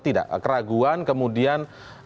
tidak keraguan kemudian